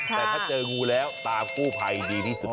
แต่ถ้าเจองู้แล้วตามคู่ภัยดีอันดีที่สุดครับ